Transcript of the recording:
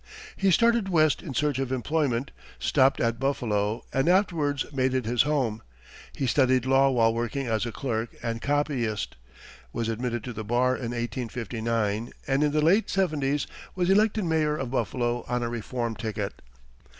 He started west in search of employment, stopped at Buffalo, and afterwards made it his home. He studied law while working as a clerk and copyist, was admitted to the bar in 1859, and in the late seventies was elected mayor of Buffalo on a reform ticket.